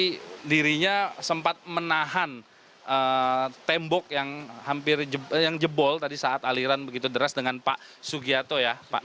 jadi dirinya sempat menahan tembok yang hampir jebol tadi saat aliran begitu deras dengan pak sugito ya